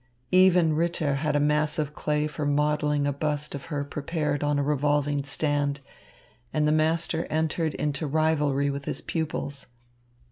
Even Ritter had a mass of clay for modelling a bust of her prepared on a revolving stand, and the master entered into rivalry with his pupils.